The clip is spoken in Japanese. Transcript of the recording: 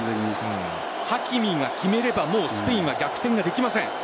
ハキミが決めればスペインは逆転ができません。